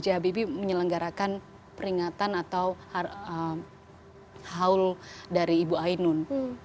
j habibie menyelenggarakan peringatan atau haul dari ibu ainun